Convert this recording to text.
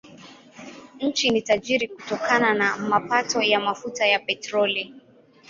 Nchi ni tajiri kutokana na mapato ya mafuta ya petroli.